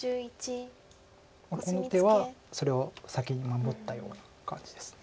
この手はそれを先に守ったような感じです。